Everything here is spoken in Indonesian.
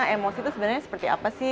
emosi itu sebenarnya seperti apa sih